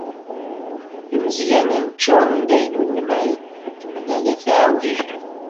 Imeẓẓyanen ččuren d ayen ur nemɛin, xeddmen ala tuɛwijin.